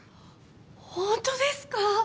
ホントですか！